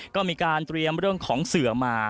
ก็มีการเตรียมเรื่องของเสือมา